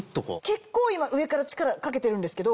結構今上から力かけてるんですけど。